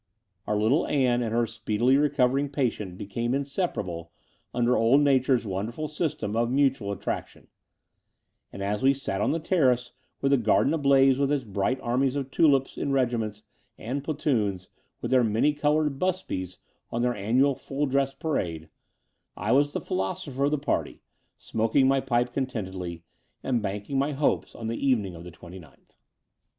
Our little Ann and her speedily recovering patient became inseparable under old Nature's wonderful system of mutual attraction; and, as we sat on the terrace with the garden ablaze with its bright armies of tulips in regiments and platoons, with their many coloured busbies" on their annual full dress parade, I was the philosopher of the party, smoking my pipe contentedly and banking my hopes on the evening of the twenty ninth.